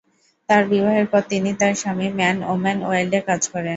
তার বিবাহের পর তিনি তার স্বামী ম্যান, ওম্যান, ওয়াইল্ডে কাজ করেন।